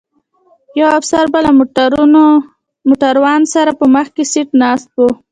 یو افسر به له موټروان سره په مخکي سیټ ناست و.